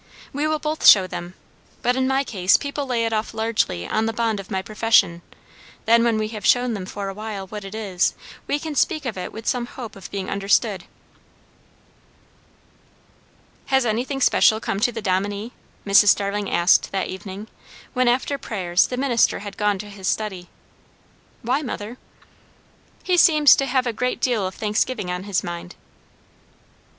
We will both show them; but in my case people lay it off largely on the bond of my profession. Then, when we have shown them for awhile what it is, we can speak of it with some hope of being understood." "Has anything special come to the Dominie?" Mrs. Starling asked that evening, when after prayers the minister had gone to his study. "Why, mother?" "He seems to have a great deal of thanksgiving on his mind!"